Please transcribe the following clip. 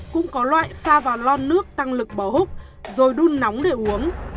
cũng có loại sa vào lon nước tăng lực bò húc rồi đun nóng để uống